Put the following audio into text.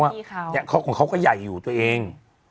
เขาเป็นที่เขาเนี่ยของเขาก็ใหญ่อยู่ตัวเอง